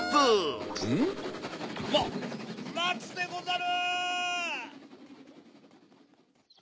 ん？まつでござる！